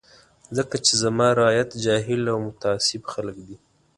ځکه چې زما رعیت جاهل او متعصب خلک دي.